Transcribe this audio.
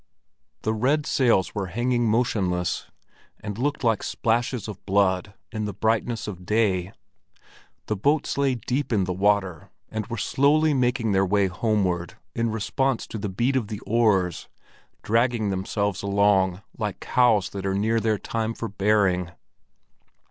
The red sails were hanging motionless, and looked like splashes of blood in the brightness of day; the boats lay deep in the water, and were slowly making their way homeward in response to the beat of the oars, dragging themselves along like cows that are near their time for bearing.